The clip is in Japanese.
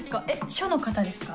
署の方ですか？